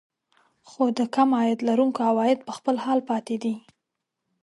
خو د کم عاید لرونکو عوايد په خپل حال پاتې دي